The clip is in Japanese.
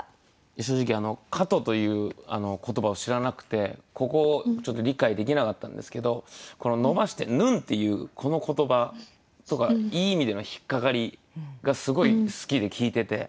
正直「蝌蚪」という言葉を知らなくてここをちょっと理解できなかったんですけどこの「伸ばしてぬん」っていうこの言葉とかいい意味での引っ掛かりがすごい好きで聞いてて。